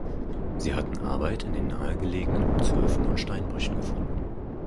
Sie hatten Arbeit in den nahegelegenen Gutshöfen und Steinbrüchen gefunden.